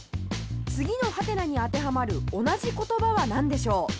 次のハテナに当てはまる同じ言葉はなんでしょう？